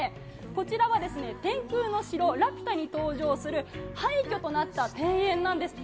こちらは天空の城ラピュタに登場する廃虚となった庭園なんです。